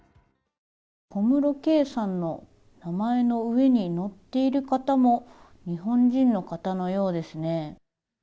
小室圭さんの名前の上に載っている方も、日本人の方のようですね。